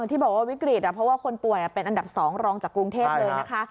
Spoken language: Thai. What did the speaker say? ที่บอกว่าวิกฤตเพราะว่าคนป่วยเป็นอันดับ๒รองจากกรุงเทพเลยนะคะ